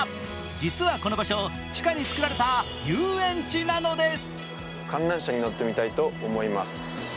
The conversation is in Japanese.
実はこの場所、地下に作られた遊園地なんです。